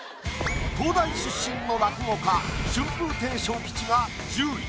東大出身の落語家春風亭昇吉が１０位。